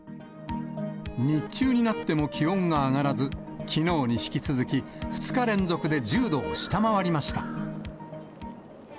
日中になっても気温が上がらず、きのうに引き続き、２日連続で１０度を下回りました。